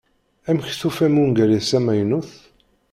Amek tufamt ungal-is amaynut?